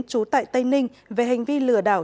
trú tại tây ninh về hành vi lừa đảo